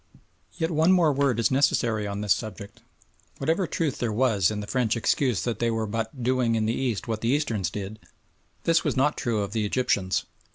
Yet one word more is necessary on this subject. Whatever truth there was in the French excuse that they were but "doing in the East what the Easterns did," this was not true of the Egyptians.